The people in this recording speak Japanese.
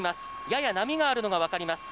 やや波があるのが分かります。